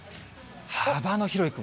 幅の広い雲。